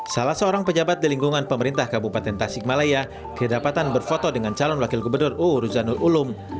salah seorang pejabat di lingkungan pemerintah kabupaten tasikmalaya kedapatan berfoto dengan calon wakil gubernur uruzanul ulum